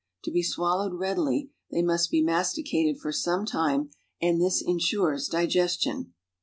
To be swallowed readily, they must be masticated for some time and this insures digestion.